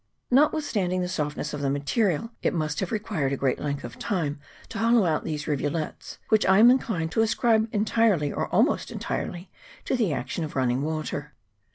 Notwithstanding the softness of the material, it must have required a great length of time to hollow out these rivulets, which I am inclined to ascribe entirely, or almost entirely, to the action of running water.